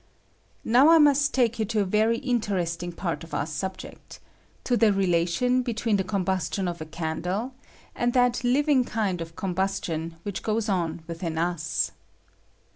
Now I must take you to a very interesting part of our subject — to the relation between the combustion of a candle and that living kind of combustion ■which goes on within ua.